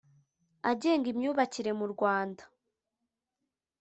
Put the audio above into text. agenga imyubakire mu Rwanda